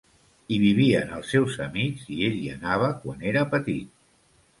Hi vivien els seus amics i ell hi anava quan era petit.